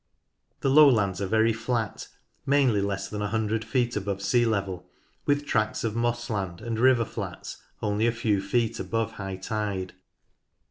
The lowlands are very flat, mainly less than 100 feet above sea level, with tracts of moss land and river flats only a few feet above high tide.